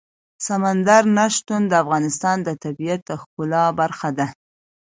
سمندر نه شتون د افغانستان د طبیعت د ښکلا برخه ده.